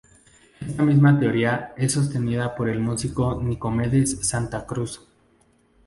Esta misma teoría es sostenida por el musicólogo Nicomedes Santa Cruz.